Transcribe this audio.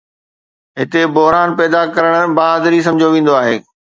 هتي، بحران پيدا ڪرڻ بهادري سمجهيو ويندو آهي.